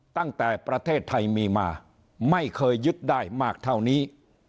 ตั้งแต่ประเทศไทยมีมาไม่เคยยึดได้มากเท่านี้